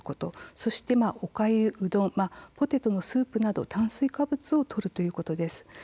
そしておかゆ、うどんポテトスープなど炭水化物をとるということです。